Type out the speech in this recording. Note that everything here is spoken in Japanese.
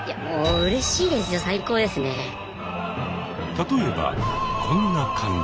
例えばこんな感じ。